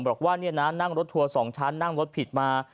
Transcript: บอกว่านั่งรถทัวร์๒ชั้นนั่งรถผิดมา